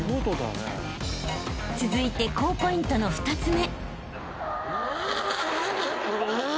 ［続いて高ポイントの２つ目］